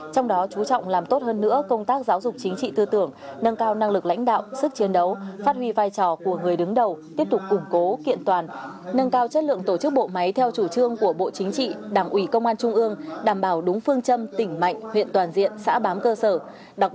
trong đó chú trọng làm tốt hơn nữa công tác giáo dục chính trị tư tưởng nâng cao năng lực lãnh đạo sức chiến đấu phát huy vai trò của người đứng đầu tiếp tục củng cố kiện toàn nâng cao chất lượng tổ chức bộ máy theo chủ trương của bộ chính trị đảng ủy công an trung ương đảm bảo đúng phương châm tỉnh mạnh huyện toàn diện xã bám cơ sở